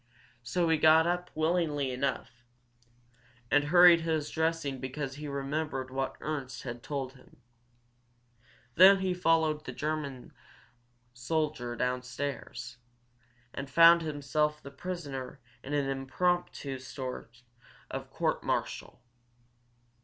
So he got up willingly enough, and hurried his dressing because he remembered what Ernst had told him. Then he followed the soldier downstairs, and found himself the prisoner in an impromptu sort of court martial.